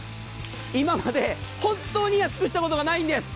今まで本当に安くしたことがないんです。